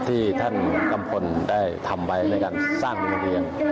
ที่ท่านกัมพลได้ทำไว้ในการสร้างโรงเรียน